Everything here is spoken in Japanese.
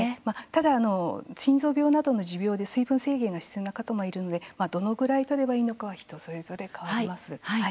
ただ心臓病などの持病で水分制限が必要な方もいるのでどのくらいとればいいのかは人それぞれ変わります。